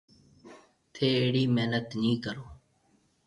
ٿَي اھڙِي محنت نِي ڪرو۔